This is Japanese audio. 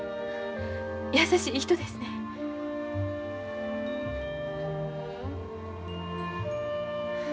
優しい人ですねん。